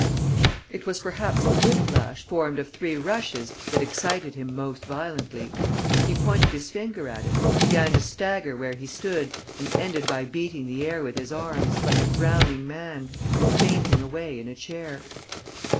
It was perhaps the whip lash formed of three rushes that excited him most violently. He pointed his finger at it, began to stagger where he stood and ended by beating the air with his arms, like a drowning man, and fainting away in a chair.